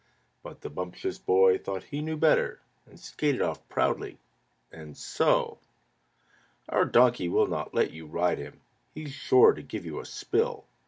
But the Bumptious Boy thought he knew better, And skated off proudly. And so "Our donkey will not let you ride him He's sure to give you a spill!"